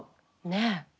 ねえ。